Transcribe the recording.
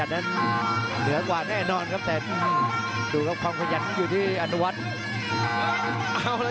อันวัดเบียดเข้ามาอันวัดโดนชวนแรกแล้ววางแค่ขวาแล้วเสียบด้วยเขาซ้าย